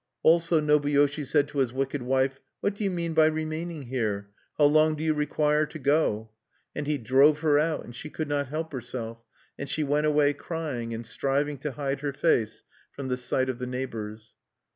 Also Nobuyoshi said to his wicked wife: "What do you mean by remaining here? How long do you require to go?" And he drove her out, and she could not help herself, and she went away crying, and striving to hide her face from the sight of the neighbors.